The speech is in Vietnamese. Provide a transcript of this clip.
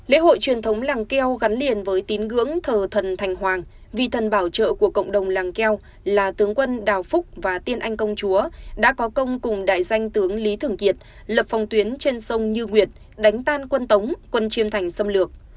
lễ hội truyền thống làng keo gắn liền với tín ngưỡng thờ thần thành hoàng vì thần bảo trợ của cộng đồng làng keo là tướng quân đào phúc và tiên anh công chúa đã có công cùng đại danh tướng lý thường kiệt lập phòng tuyến trên sông như nguyệt đánh tan quân tống quân chiêm thành xâm lược